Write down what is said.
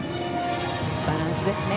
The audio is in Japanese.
バランスですね